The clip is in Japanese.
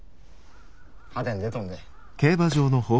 派手に出とんで。